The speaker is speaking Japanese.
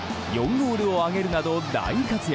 ゴールを挙げるなど大活躍。